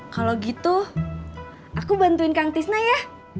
kalau gitu aku bantuin kang tisna ya